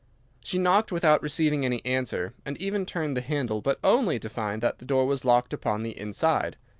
She knocked without receiving any answer, and even turned the handle, but only to find that the door was locked upon the inside.